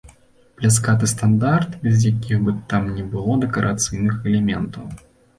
Пляскаты стандарт, без якіх бы там ні было дэкарацыйных элементаў.